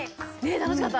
楽しかった。